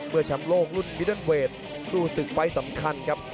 เมื่อแชมป์โลกรุ่นเตีหน์เวทสู้ศึกไฟสำคัญครับ